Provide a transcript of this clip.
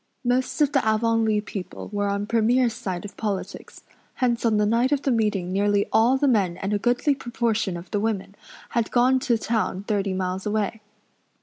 Most of the Avonlea people were on Premier's side of politics; hence on the night of the meeting nearly all the men and a goodly proportion of the women had gone to town thirty miles away.